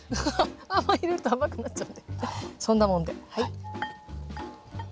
あんまり入れると甘くなっちゃうんでそんなもんではい。